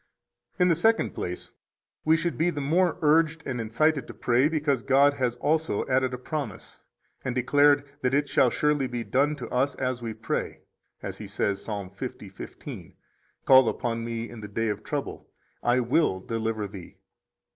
19 In the second place, we should be the more urged and incited to pray because God has also added a promise, and declared that it shall surely be done to us as we pray, as He says Ps. 50:15: Call upon Me in the day of trouble: I will deliver thee.